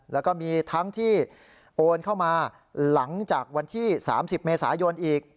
แล้วก็มีทั้งที่โอนเข้ามาหลังจากวันที่๓๐เมษายนอีก